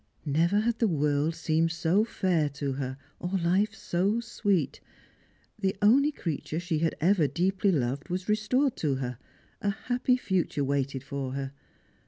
Never had the world seemed so fair to her or life so sweet. The only creature she had ever deeply loved was restored to her; a happy future waited for her.